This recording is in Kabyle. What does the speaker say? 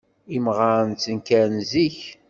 Imɣaren ttenkaren zik.